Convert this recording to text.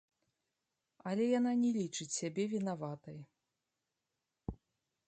Але яна не лічыць сябе вінаватай!